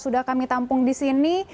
sudah kami tampung disini